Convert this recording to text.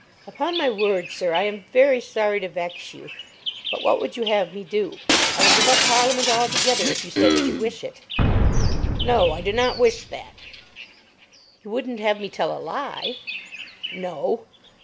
"Upon my word, sir, I am very sorry to vex you; but what would you have me do? I will give up Parliament altogether, if you say that you wish it." "No; I do not wish that." "You wouldn't have me tell a lie?" "No."